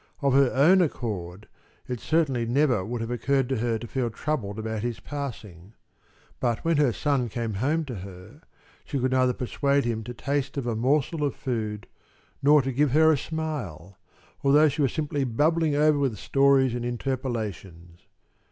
Of her own accord it certainly never would have occurred to her to feel troubled about his passing. But when her son came home to her, she could neither persuade him to taste of a morsel of food nor to give her a smile, although she was simply bubbling over with stories and interpolations.